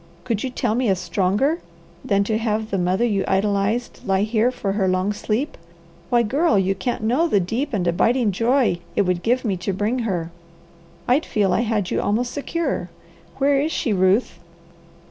Could you tell me a stronger than to have the mother you idolized lie here for her long sleep? Why Girl, you can't know the deep and abiding joy it would give me to bring her. I'd feel I had you almost secure. Where is she Ruth?"